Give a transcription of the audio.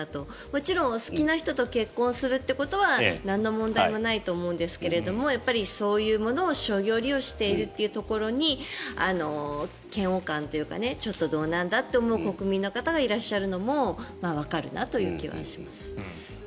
もちろんお好きな人と結婚するということは何の問題もないと思うんですがそういうものを商業利用しているところに嫌悪感というかちょっとどうなんだって思う国民の方がいらっしゃるのもわかるなという気はします。